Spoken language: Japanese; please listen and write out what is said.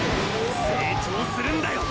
成長するんだよ！！